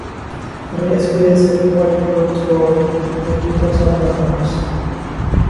Race plays an important role throughout "The Keepers of the House".